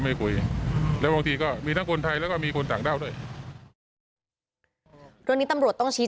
ไม่ได้มีการปกปิดเรื่องการจับกลุ่มนะ